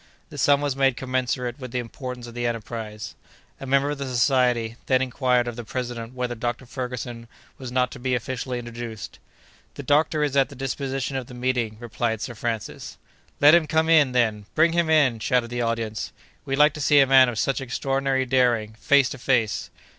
The sum was made commensurate with the importance of the enterprise. A member of the Society then inquired of the president whether Dr. Ferguson was not to be officially introduced. "The doctor is at the disposition of the meeting," replied Sir Francis. "Let him come in, then! Bring him in!" shouted the audience. "We'd like to see a man of such extraordinary daring, face to face!"